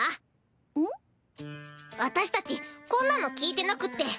私たちこんなの聞いてなくって。